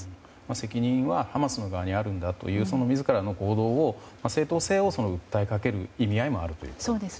責任はハマスの側にあるんだという自らの行動の正当性を訴えかける意味合いもあるということですね。